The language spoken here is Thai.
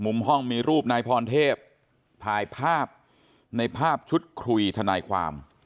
มุมห้องมีรูปนายพรเทพถ่ายภาพในภาพชุดคุยทนายความ